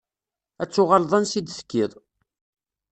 Ad tuɣaleḍ ansa i d-tekkiḍ.